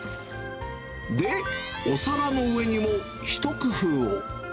で、お皿の上にもひと工夫を。